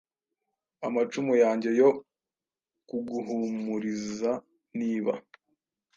Amacumu yanjye yo kuguhumurizaniba